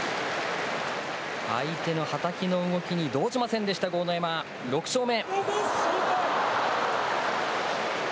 相手のはたきの動きに動じませんでした、豪ノ山、６勝目。